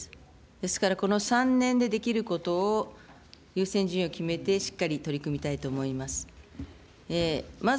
ですから、この３年でできることを、優先順位を決めてしっかり取り組みたいと思います。